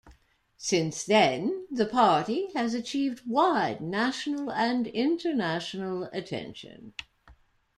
Since then, the party has achieved wide national and international attention.